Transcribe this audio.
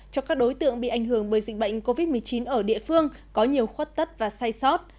cho các đối tượng bị ảnh hưởng bởi dịch bệnh covid một mươi chín ở địa phương có nhiều khuất tất và sai sót